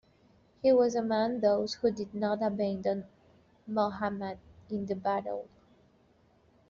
He was among those who did not abandon Muhammad in the battle.